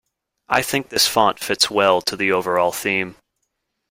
I think this font fits well to the overall theme.